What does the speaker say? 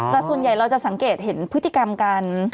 แต่ส่วนใหญ่เราจะสังเกตเห็นพฤติกรรมการ